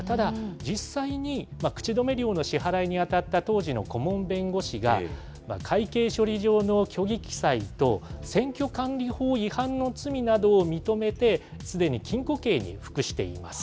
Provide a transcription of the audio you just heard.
ただ、実際に口止め料の支払いに当たった当時の顧問弁護士が、会計処理上の虚偽記載と、選挙管理法違反の罪などを認めて、すでに禁錮刑に服しています。